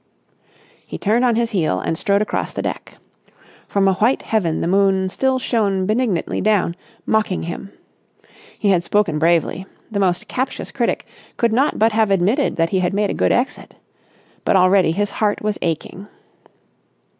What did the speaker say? He turned on his heel and strode across the deck. From a white heaven the moon still shone benignantly down, mocking him. He had spoken bravely; the most captious critic could not but have admitted that he had made a good exit. But already his heart was aching.